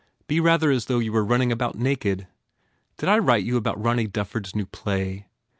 Be rather as though you were running about naked. Did I write you about Ronny Dufford s new play?